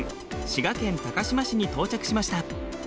滋賀県高島市に到着しました。